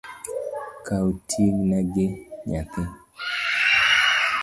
Kaw ting’na gi nyathi